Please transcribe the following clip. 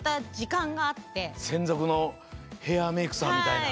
せんぞくのヘアメイクさんみたいな。